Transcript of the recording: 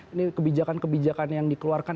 ini kebijakan kebijakan yang dikeluarkan